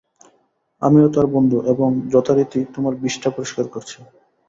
আমিও তার বন্ধু, এবং আমি যথারীতি তোমার বিষ্ঠা পরিষ্কার করছি।